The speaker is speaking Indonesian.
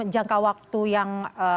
jangka waktu yang